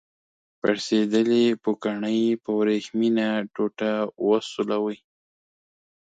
پړسیدلې پوکڼۍ په وریښمینه ټوټه وسولوئ.